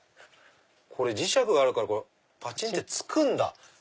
磁石があるからぱちんってつくんだ。